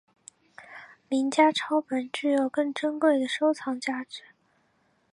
名家抄本具有更珍贵的收藏价值。